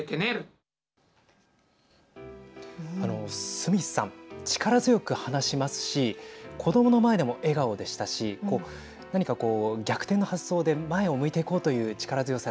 スミスさん力強く話しますし子どもの前でも笑顔でしたし何かこう逆転の発想で前を向いていこうはい。